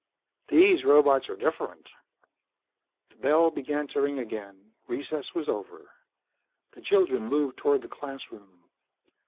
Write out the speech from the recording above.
"These robots are different." The bell began to ring again. Recess was over. The children moved toward the classroom.